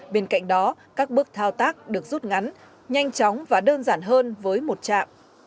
bên cạnh đó các bước thao tác được rút ngắn nhanh chóng và đơn giản hơn với một trạm